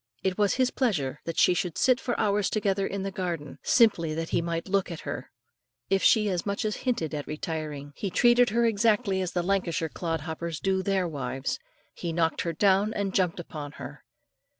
It was his pleasure that she should sit for hours together in the garden, simply that he might look at her; if she as much as hinted at retiring, he treated her exactly as the Lancashire clod hoppers do their wives, he knocked her down and jumped upon her.